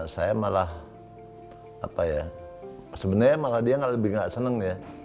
saya malah apa ya sebenarnya malah dia lebih gak seneng ya